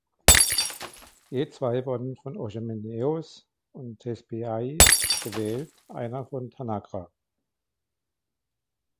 Je zwei wurden von Orchomenos und Thespiai gewählt, einer von Tanagra.